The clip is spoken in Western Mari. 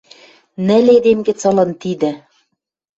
Нӹл эдем гӹц ылын тидӹ